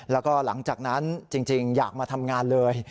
แล้วก็หลังจากนั้นจริงอยากมาทำงานเลย